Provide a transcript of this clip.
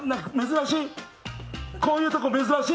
こういうとこ珍しい？